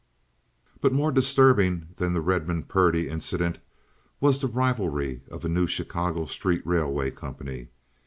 But more disturbing than the Redmond Purdy incident was the rivalry of a new Chicago street railway company.